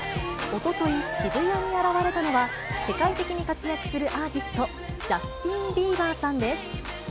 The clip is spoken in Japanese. おととい、渋谷に現れたのは、世界的に活躍するアーティスト、ジャスティン・ビーバーさんです。